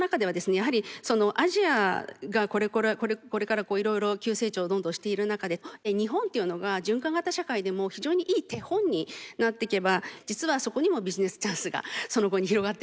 やはりアジアがこれからいろいろ急成長をどんどんしている中で日本というのが循環型社会でも非常にいい手本になっていけば実はそこにもビジネスチャンスがその後に広がってるのかなと思います。